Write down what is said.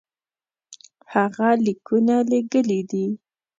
هغه لیکونه لېږلي دي.